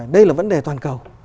đây là vấn đề toàn cầu